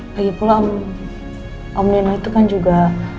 lagipula om nino itu kan juga